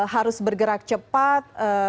harus bergerak cepat